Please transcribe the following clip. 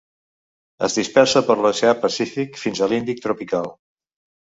Es dispersa per l'oceà Pacífic, fins a l'Índic tropical.